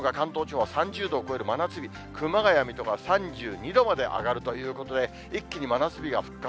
本当は３０度を超える真夏日、熊谷、水戸が３２度まで上がるということで、一気に真夏日が復活。